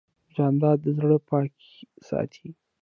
جانداد د زړه پاکي ساتي.